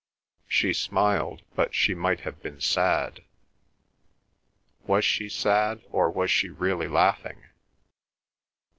She smiled, but she might have been sad. Was she sad, or was she really laughing?